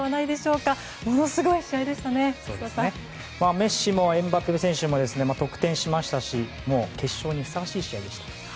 メッシもエムバペ選手も得点しましたし決勝にふさわしい試合でした。